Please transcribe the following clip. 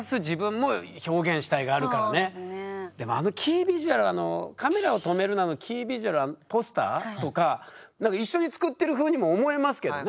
でもあのキービジュアル「カメラを止めるな！」のキービジュアルあのポスターとか一緒に作ってるふうにも思えますけどね。